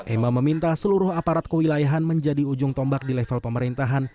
emma meminta seluruh aparat kewilayahan menjadi ujung tombak di level pemerintahan